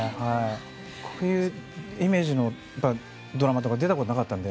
こういうイメージのドラマとか出たことなかったので。